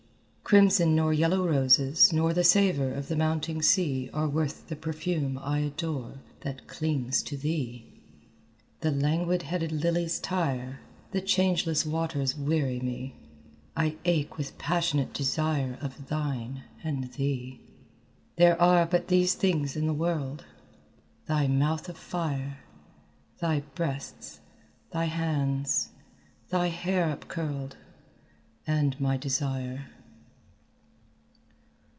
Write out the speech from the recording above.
"Crimson nor yellow roses nor The savour of the mounting sea Are worth the perfume I adore That clings to thee. The languid headed lilies tire, The changeless waters weary me; I ache with passionate desire Of thine and thee. There are but these things in the world Thy mouth of fire, Thy breasts, thy hands, thy hair upcurled And my desire."